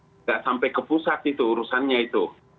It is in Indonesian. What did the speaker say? tidak sampai ke pusat itu urusannya itu